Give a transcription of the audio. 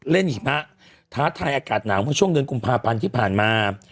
เล่นยอมะท้าต่ายอากาศหนาวเมื่อช่วงเดือนกรุงพลาดพันที่ผ่านมา